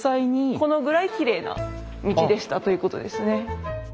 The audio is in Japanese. このぐらいきれいな道でしたということですね。